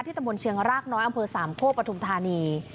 ตำบลเชียงรากน้อยอำเภอสามโคกปฐุมธานี